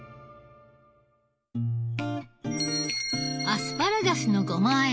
アスパラガスのごまあ